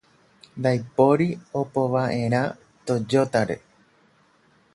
Ndaipóri opova'erã Toyóta-re.